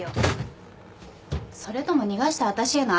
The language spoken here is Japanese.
それとも逃がした私への当て付け？